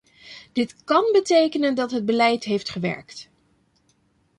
Dit kan betekenen dat het beleid heeft gewerkt.